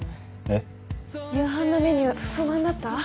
えっ？夕飯のメニュー不満だった？